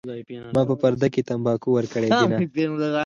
ما په پرده کې تمباکو ورکړي دینه